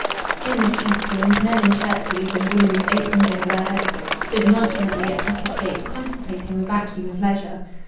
In this east wind men in shirt sleeves, and women with aprons over their heads, stood nonchalantly at cottage gates contemplating the vacuum of leisure.